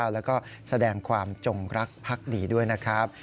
แล้วก็แสดงความจงรักพักดีด้วยนะครับ